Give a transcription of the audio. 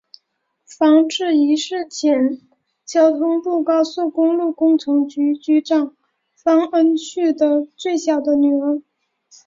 方智怡是前交通部高速公路工程局局长方恩绪的最小的女儿。